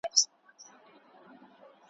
د پلار د قانع کولو لپاره ئې ټينګار کاوه.